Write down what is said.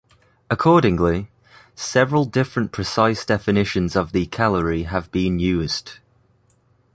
Accordingly, several different precise definitions of the calorie have been used.